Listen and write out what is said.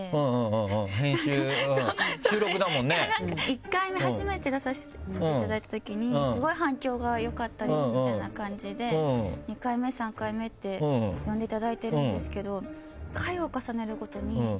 １回目初めて出させていただいたときに「スゴい反響が良かったです」みたいな感じで２回目３回目って呼んでいただいてるんですけど。